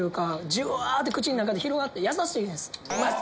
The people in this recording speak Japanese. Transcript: じゅわって口の中で広がってやさしいです。